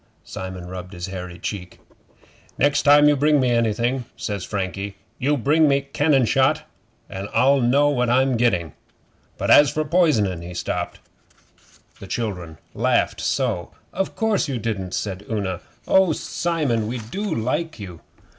Simon rubbed his hairy cheek. '"Nex' time you bring me anything," says Frankie, "you bring me cannon shot an' I'll know what I'm getting." But as for poisonin' ' He stopped, the children laughed so. 'Of course you didn't,' said Una. 'Oh, Simon, we do like you!